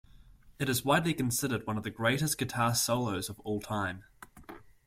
It is widely considered one of the greatest guitar solos of all time.